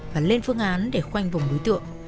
và lên phương án để khoanh vùng đối tượng